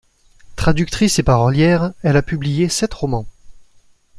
Traductrice et parolière, elle a publié sept romans.